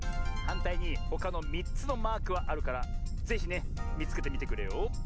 はんたいにほかの３つのマークはあるからぜひねみつけてみてくれよ。